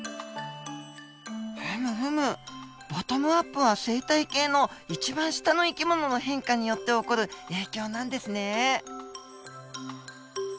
ふむふむボトムアップは生態系の一番下の生き物の変化によって起こる影響なんですね。